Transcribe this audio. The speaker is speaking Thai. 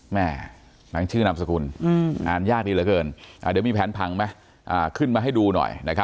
แหม่หลังชื่อนำสคุณอืมอ่านยากดีแล้วเกินเดี๋ยวมีแผนพังไหมขึ้นมาให้ดูหน่อย